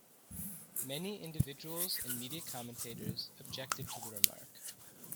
Many individuals and media commentators objected to the remark.